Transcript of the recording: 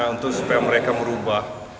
untuk supaya mereka merubah